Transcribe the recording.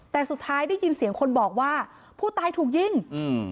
แต่สุดท้ายได้ยินเสียงคนบอกว่าผู้ตายถูกยิงอืม